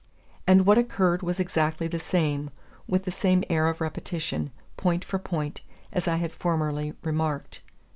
And what occurred was exactly the same, with the same air of repetition, point for point, as I had formerly remarked.